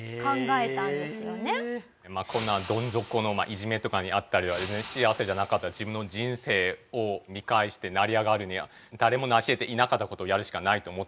こんなどん底のいじめとかに遭ったり幸せじゃなかった自分の人生を見返して成り上がるには誰も成し得ていなかった事をやるしかないと思ったんですね。